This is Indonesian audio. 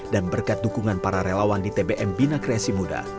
dan berkat dukungan para relawan di tbm bina kreasi muda